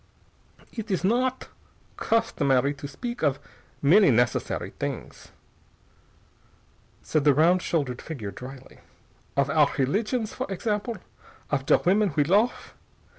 "Idt is not customary to speak of many necessary things," said the round shouldered figure dryly. "Of our religions, for example. Of der women we lofe.